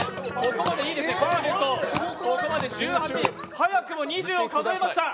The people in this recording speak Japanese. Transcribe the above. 早くも２０を数えました。